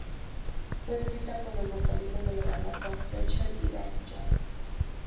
Fue escrita por los vocalistas de la banda Tom Fletcher y Danny Jones.